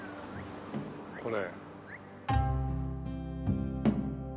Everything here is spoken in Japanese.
これ。